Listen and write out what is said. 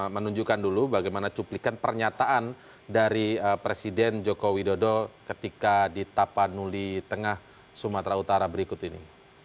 menunjukkan dulu bagaimana cuplikan pernyataan dari presiden joko widodo ketika di tapanuli tengah sumatera utara berikut ini